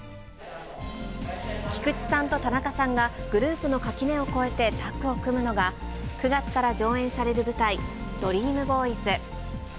菊池さんと田中さんがグループの垣根を越えてタッグを組むのが、９月から上演される舞台、ＤＲＥＡＭＢＯＹＳ。